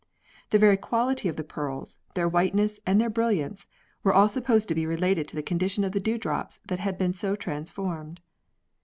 The very quality of the pearls, their whiteness and their brilliance, were all sup posed to be related to the condition of the dew drops that had been so transformed.